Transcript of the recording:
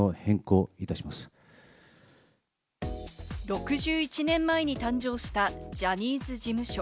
６１年前に誕生したジャニーズ事務所。